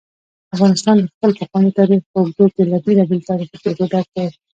افغانستان د خپل پخواني تاریخ په اوږدو کې له بېلابېلو تاریخي پېښو ډک دی.